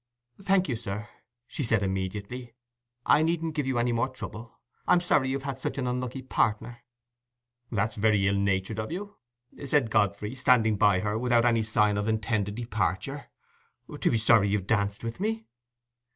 "Thank you, sir," she said immediately. "I needn't give you any more trouble. I'm sorry you've had such an unlucky partner." "That's very ill natured of you," said Godfrey, standing by her without any sign of intended departure, "to be sorry you've danced with me."